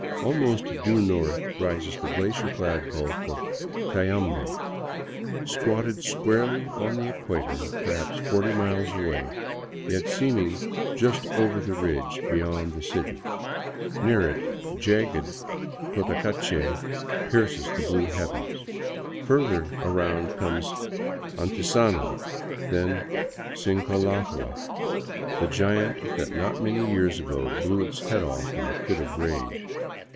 Almost due north rises the glacier clad bulk of Cayambe, squatted squarely on the equator, perhaps forty miles away, yet seem ing just over the ridge beyond the city. Near it, jagged Cotacache pierces the blue heavens. Further around comes Antisana, then Sin cholagua, the giant that not many years ago blew its head off in a fit of rage.